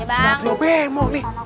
tidak ada yang mau bemo nih